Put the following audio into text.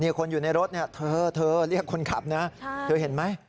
คนอยู่ในรถเธอเธอเรียกคนขับนะเธอเห็นไหม